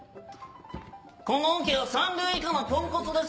このオケは三流以下のポンコツです。